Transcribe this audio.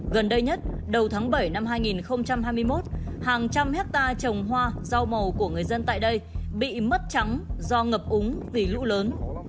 gần đây nhất đầu tháng bảy năm hai nghìn hai mươi một hàng trăm hectare trồng hoa rau màu của người dân tại đây bị mất trắng do ngập úng vì lũ lớn